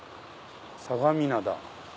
「相模灘」。